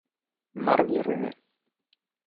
Marvin René